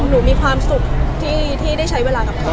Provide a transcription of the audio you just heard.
มีความสุขที่ได้ใช้เวลากับเขา